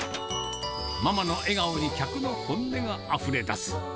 ママの笑顔に客の本音があふれ出す。